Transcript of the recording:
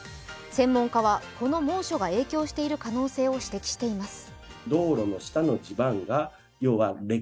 専門家はこの猛暑が影響している可能性を指摘しています。